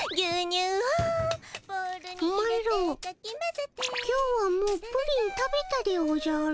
マロ今日はもうプリン食べたでおじゃる。